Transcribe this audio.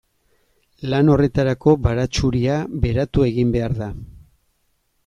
Lan horretarako baratxuria beratu egin behar da.